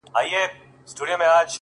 زما اشنا خبري پټي ساتي”